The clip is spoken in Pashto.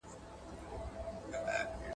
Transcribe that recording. تجاوز د اسلامي اخلاقو خلاف عمل دی.